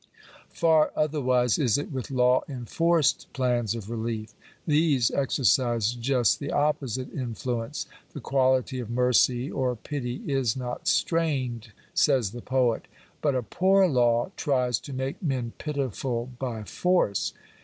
Far otherwise is it with law enforced plans of relief. These exercise just the opposite influence. " The quality of mercy (or pity) is not strained," says the poet. But a poor law tries to make men pitiful by force.